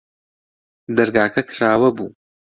دەرگاکە کراوە بوو.